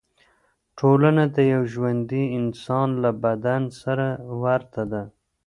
ټولنه د یو ژوندي انسان له بدن سره ورته ده.